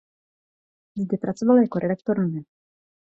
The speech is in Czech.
Zde pracoval jako redaktor novin.